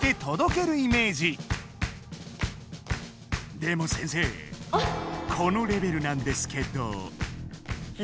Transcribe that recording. でも先生このレベルなんですけど。